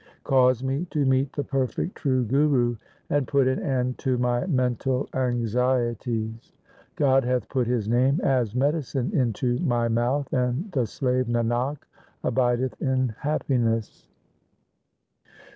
Cause me to meet the perfect true Guru and put an end to my mental anxieties. God hath put His name as medicine into my mouth, and the slave Nanak abideth in happiness.